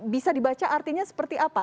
bisa dibaca artinya seperti apa